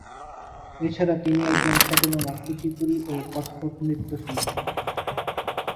এছাড়া তিনি একজন খ্যাতনামা কুচিপুড়ি ও কত্থক নৃত্যশিল্পী।